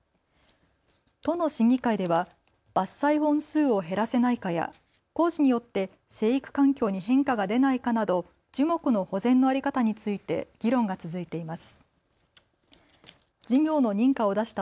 都の審議会では伐採本数を減らせないかや工事によって生育環境に変化が出ないかなど樹木の保全の在り方について議論が続いています。